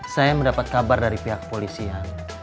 saya mendapat kabar dari pihak polisian